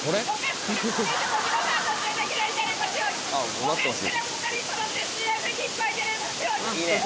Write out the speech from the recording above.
もうなってます。